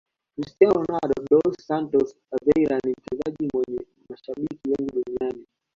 Cristiano Ronaldo dos Santos Aveiro ni mchezaji mwenye mashabiki wengi duniani